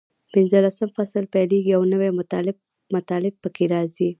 پینځلسم فصل پیلېږي او نوي مطالب پکې راځي.